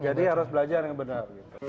jadi harus belajar yang benar